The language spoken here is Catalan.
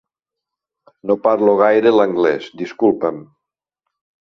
No parlo gaire l'anglés, disculpa'm.